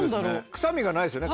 臭みがないですよね